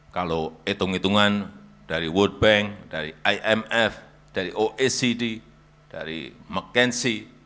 kalau hitung hitungan dari world bank dari imf dari oecd dari mckenzi